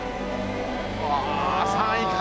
うわ３位か。